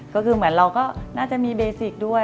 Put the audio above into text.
ก็คือเหมือนเราก็น่าจะมีเบสิกด้วย